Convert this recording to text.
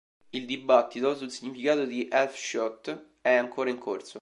Il dibattito sul significato di elf-shot è ancora in corso.